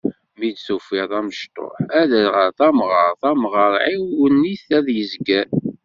Mi d-tufiḍ amecṭuḥ, aderɣal, tamɣart, amɣar, ɛiwen-it ad yezger.